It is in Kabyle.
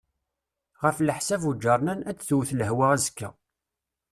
Ɣef leḥsab ujernan, ad tewt lehwa azekka.